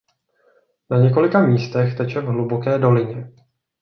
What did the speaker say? Na několika místech teče v hluboké dolině.